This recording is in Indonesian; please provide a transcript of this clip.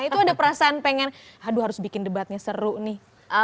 itu ada perasaan pengen aduh harus bikin debatnya seru nih